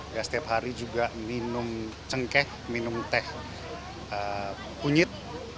dan setiap hari juga minum cengkeh minum teh kunyit